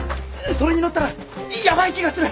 それに乗ったらヤバい気がする。